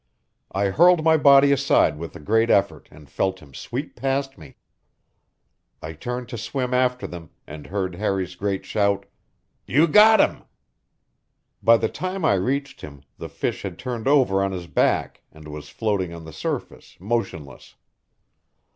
I hurled my body aside with a great effort and felt him sweep past me. I turned to swim after them and heard Harry's great shout: "You got him!" By the time I reached him the fish had turned over on his back and was floating on the surface, motionless.